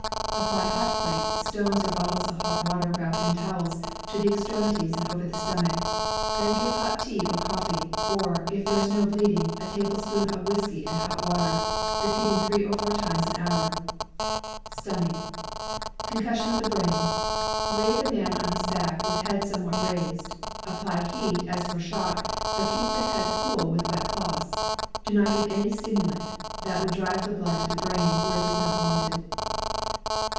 Apply hot plates, stones, or bottles of hot water, wrapped in towels, to the extremi ties and over the stomach. Then give hot tea or coffee, or, if there is no bleeding, a tablespoonful of whiskey and hot water, repeating three or four times an hour. Concussion of the brain: Lay the man on his back, with head somewhat raised. Apply heat, as for ^. shock, but keep the head cool with wet cloths. Do not give any stimulant — that would drive blood to the brain, where it is not wanted.